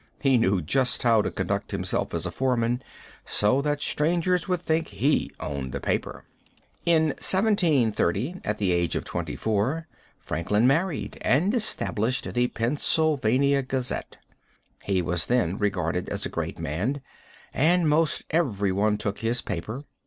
He knew just how to conduct himself as a foreman, so that strangers would think he owned the paper. In 1730, at the age of 24, Franklin married and established the Pennsylvania Gazette. He was then regarded as a great man, and most everyone took his paper.